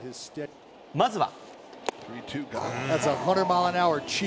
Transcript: まずは。